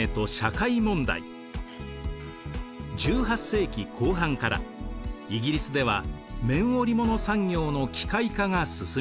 １８世紀後半からイギリスでは綿織物産業の機械化が進みました。